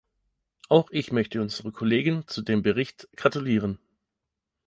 Auch ich möchte unserer Kollegin zu dem Bericht gratulieren.